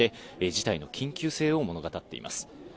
事態の緊急性を物語っています。